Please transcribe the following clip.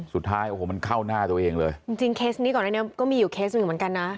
สุดท้ายโอ้โหมันเข้าหน้าตัวเองเลยจริงจริงเคสนี้ก่อนอันนี้ก็มีอยู่เคสหนึ่งอยู่เหมือนกันนะ